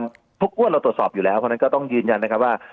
เพราะอ้วนเราตรวจสอบอยู่แล้วเพราะฉะนั้นก็ต้องยืนยันนะครับว่า